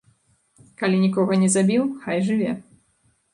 Калі нікога не забіў, хай жыве.